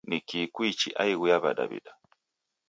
Nikii Kuichi aighu ya wadawida